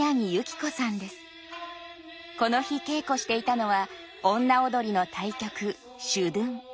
この日稽古していたのは女踊の大曲「諸屯」。